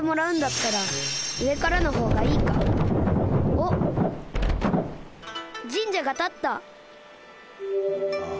おっ神社がたった。